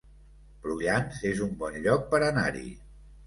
Prullans es un bon lloc per anar-hi